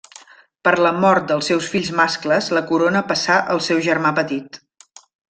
Per la mort dels seus fills mascles la corona passà al seu germà petit.